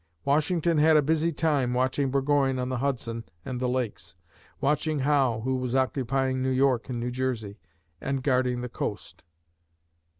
Washington had a busy time watching Burgoyne on the Hudson and the lakes, watching Howe, who was occupying New York and New Jersey, and guarding the coast.